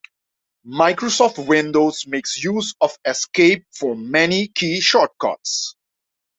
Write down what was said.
Microsoft Windows makes use of "Esc" for many key shortcuts.